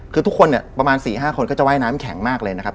คือทุกคนน่ะประมาณสี่ห้าคนจะแข็งมากเลยนะครับ